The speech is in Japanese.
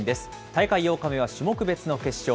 大会８日目は種目別の決勝。